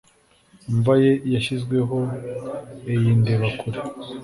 imva ye yashyizweho iyi ndebakure